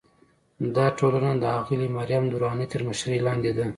دا ټولنه د اغلې مریم درانۍ تر مشرۍ لاندې ده.